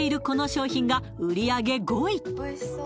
この商品が売り上げ５位！